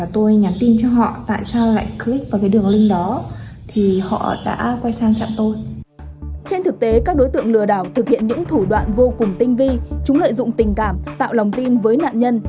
trên thực tế các đối tượng lừa đảo thực hiện những thủ đoạn vô cùng tinh vi chúng lợi dụng tình cảm tạo lòng tin với nạn nhân